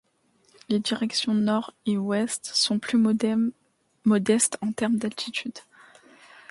Les directions nord et ouest sont plus modestes en termes d'altitude.